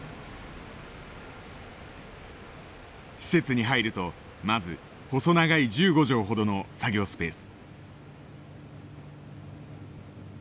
施設に入るとまず細長い１５畳ほどの作業スペース。